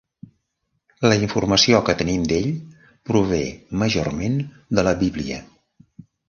La informació que tenim d'ell, prove majorment de la Bíblia.